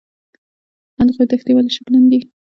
اندخوی دښتې ولې شګلن دي؟